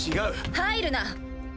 入るな！